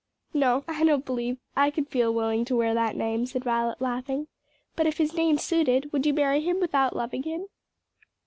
"No, I don't believe I could feel willing to wear that name," said Violet laughing. "But if his name suited, would you marry him without loving him?"